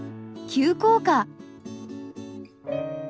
急降下。